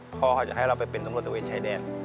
พ่อก็จะให้เราไปเป็นสมบัติวิทย์ชายแดน